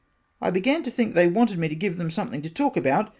I began to think they wanted me to give them something to talk about.